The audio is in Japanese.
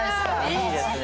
いいですね。